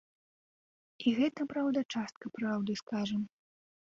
І гэта праўда, частка праўды, скажам.